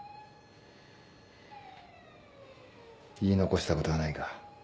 言い残したことはないか。